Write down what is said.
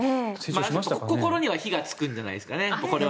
心には火がつくんじゃないですかね。